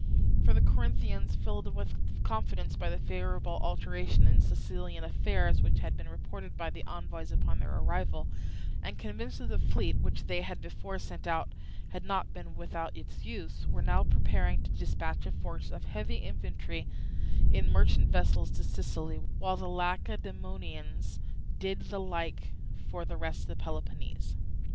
For the Corinthians, filled with confidence by the favourable alteration in Sicilian affairs which had been reported by the envoys upon their arrival, and convinced that the fleet which they had before sent out had not been without its use, were now preparing to dispatch a force of heavy infantry in merchant vessels to Sicily, while the Lacedaemonians did the like for the rest of Peloponnese.